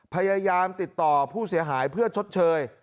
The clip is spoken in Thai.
พยายามติดต่อผู้เสียหายเพื่อชดเชย